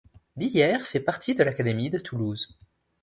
Billière fait partie de l'académie de Toulouse.